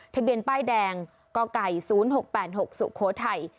ทะเบียนป้ายแดงกไก่๐๖๘๖สุโขทัย